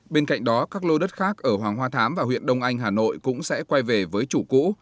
bên cạnh đó các lô đất khác ở hoàng hoa thám và huyện đông anh hà nội cũng sẽ quay về với chủ cũ